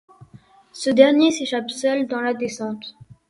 Ce dernier s'échappe seul dans la descente.